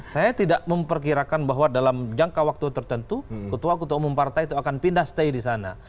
saya tidak memperkirakan bahwa dalam jangka waktu tertentu ketua ketua umum partai itu akan pindah stay di sana